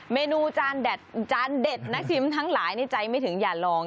เมนูจานจานเด็ดนักชิมทั้งหลายในใจไม่ถึงอย่าลอง